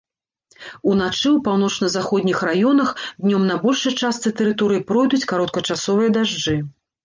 Уначы ў паўночна-заходніх раёнах, днём на большай частцы тэрыторыі пройдуць кароткачасовыя дажджы.